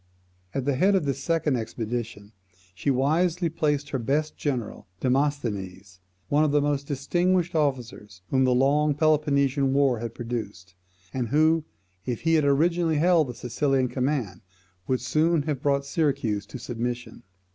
At the head of this second expedition she wisely placed her best general Demosthenes, one of the most distinguished officers whom the long Peloponnesian war had produced, and who, if he had originally held the Sicilian command, would soon have brought Syracuse to submission.